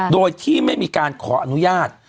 โดยที่ไม่มีการขออนุญาต